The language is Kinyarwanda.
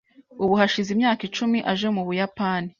Ubu hashize imyaka icumi aje mu Buyapani.